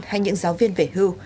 hay những giáo viên về hưu